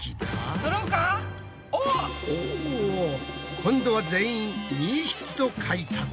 今度は全員２匹と書いたぞ。